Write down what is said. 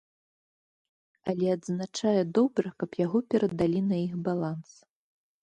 Але, адзначае, добра, каб яго перадалі на іх баланс.